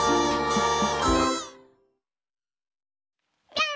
ぴょん！